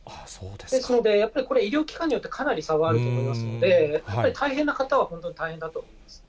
ですので、やっぱりこれは医療機関によってかなり差はあると思いますんで、やっぱり大変な方は本当に大変だったと思います。